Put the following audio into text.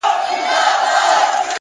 هره لاسته راوړنه خپل قیمت لري.!